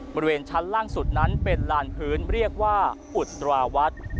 บริเวณชั้นล่างสุดนั้นเป็นลานพื้นเรียกว่าอุตราวัด